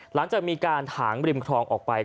หลังจากมีการถางริมคลองออกไป